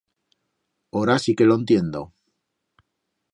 Ora sí que lo entiendo!